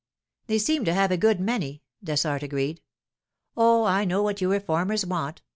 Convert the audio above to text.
'They seem to have a good many,' Dessart agreed. 'Oh, I know what you reformers want!